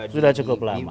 sudah cukup lama